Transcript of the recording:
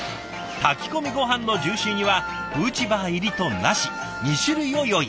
炊き込みごはんのジューシーにはフーチバー入りとなし２種類を用意。